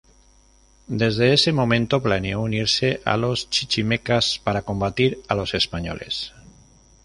Desde ese momento, planeó unirse a los chichimecas para combatir a los españoles.